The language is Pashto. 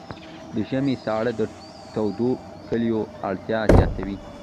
د ژمي ساړه د تودو کالیو اړتیا زیاتوي.